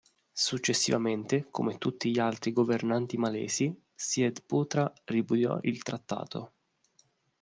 Successivamente, come tutti gli altri governanti malesi, Syed Putra ripudiò il trattato.